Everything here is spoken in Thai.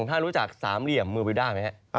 ท่านรู้จักสามเหลี่ยมเมอร์วิวด้าไหมฮะ